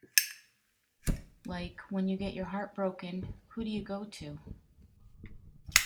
Like, when you get your heart broken, who do you go to?